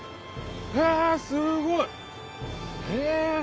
へえすごい！え？